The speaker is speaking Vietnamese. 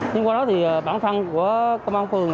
nhưng qua đó thì bản thân của công an phường